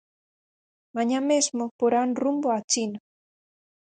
Mañá mesmo porán rumbo á China.